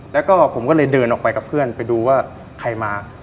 แล้วก็ผมก็เลยเดินออกไปกับเพื่อนไปดูว่าใครมา